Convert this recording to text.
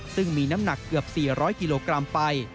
ซึ่งมีน้ำหนักเกือบ๔๐๐กิโลกรัมไป